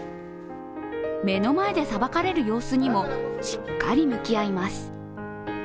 目の前でさばかれる様子にもしっかり向き合います。